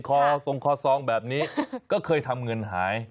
ทรงคอซองแบบนี้ก็เคยทำเงินหาย